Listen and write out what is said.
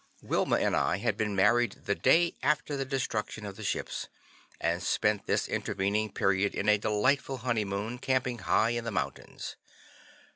Wilma and I had been married the day after the destruction of the ships, and spent this intervening period in a delightful honeymoon, camping high in the mountains.